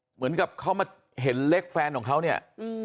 เหมือนกับเขามาเห็นเล็กแฟนของเขาเนี่ย